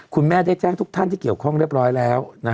คุณแม่ได้แจ้งทุกท่านที่เกี่ยวข้องเรียบร้อยแล้ว